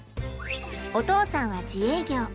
お父さんは自営業。